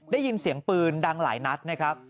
ได้ยินเสียงปืนดังหลายนัดนะครับ